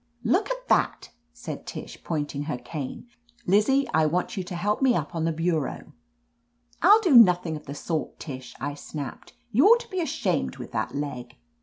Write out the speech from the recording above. "Look at that !" said Tish, pointing her cane. "Lizzie, I want you to help me up on the bu jreau." "I'll do nothing of the sort, Tish," I snapped. "You ought to be ashamed with that leg."